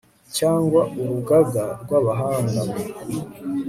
cyangwa urugaga rw abahanga mu